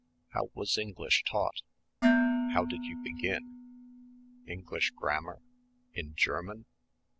How was English taught? How did you begin? English grammar ... in German?